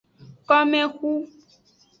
Komexu.